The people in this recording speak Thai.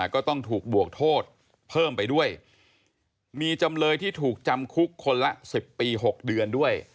ก็ต้องถูกบวกโทษเพิ่มไปด้วยมีจำเลยที่ถูกจำคุกคนละ๑๐ปี๖เดือนด้วย